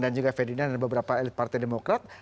dari partai demokrat